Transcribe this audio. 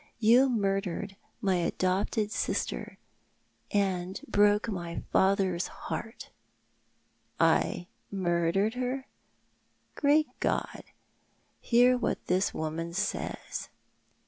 You murdered my adopted sister, and broke my father's heart." " I — I — murdered her ? Great God, hear ,what this woman says